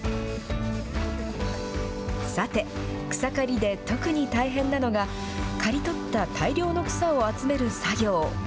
さて、草刈りで特に大変なのが、刈り取った大量の草を集める作業。